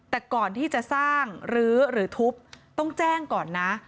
แต่ก่อนที่จะสร้างรื้อหรือทุบต้องแจ้งก่อนนะ